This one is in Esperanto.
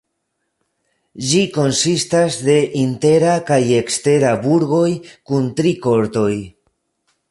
Ĝi konsistas de intera kaj ekstera burgoj kun tri kortoj.